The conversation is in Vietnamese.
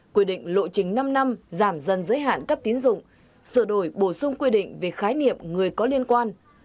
quy định lộ chính năm năm giảm dần giới hạn các tín dụng sửa đổi bổ sung quy định về khái niệm người có liên quan